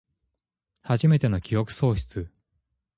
はじめての記憶喪失